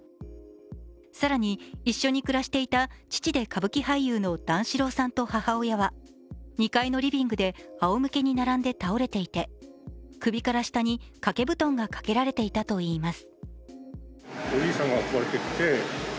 更に一緒に暮らしていた父で歌舞伎俳優の段四郎さんと母親は２階のリビングであおむけに並んで倒れていて首から下に掛け布団がかけられていたといいます。